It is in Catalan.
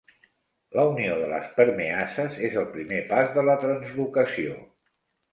La unió de les permeases és el primer pas de la translocació.